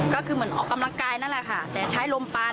ก็คือเหมือนออกกำลังกายนั่นแหละค่ะแต่ใช้ลมปาน